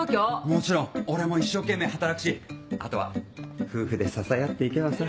もちろん俺も一生懸命働くしあとは夫婦で支え合って行けばさ。